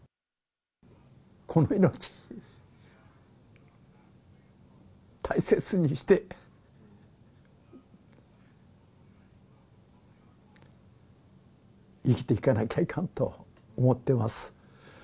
この命、大切にして、生きていかなきゃいかんと思ってます。